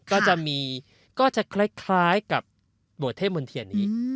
ก็จะมีก็จะคล้ายกับโบสถเทพมนเทียนนี้